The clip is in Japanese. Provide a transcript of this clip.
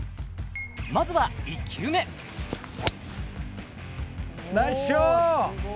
まずは１球目ナイスショット！